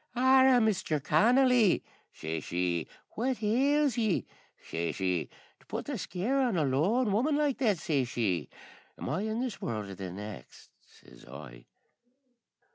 "Arrah, Mister Connolly," shashee, "what ails ye?" shashee, "to put the scare on a lone woman like that?" shashee. "Am I in this world or the next?" sez I.